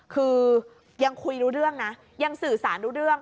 คือยังคุยรู้เรื่องนะยังสื่อสารรู้เรื่อง